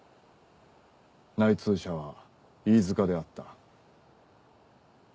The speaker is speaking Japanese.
内通者は飯塚であった。